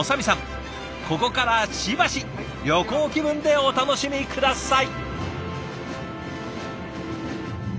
ここからしばし旅行気分でお楽しみ下さい。